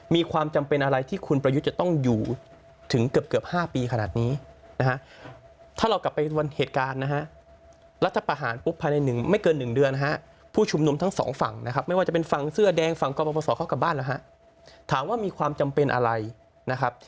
มีความจำเป็นอะไรที่คุณประยุทธ์จะต้องอยู่ถึงเกือบ๕ปีขนาดนี้นะฮะ